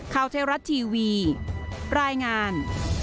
ข่าวเทศรัตน์ทีวีรายงาน